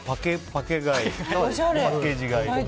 パッケージ買い。